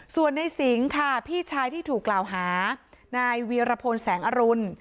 ส่วนในสิงค่ะพี่ชายที่ถูกกล่าวหานายเวียรพลแสงอรุณ